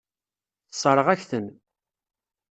Tessṛeɣ-ak-ten.